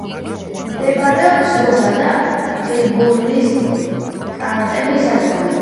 მდებარეობს ვოსა და ფრიბურის კანტონების საზღვარზე.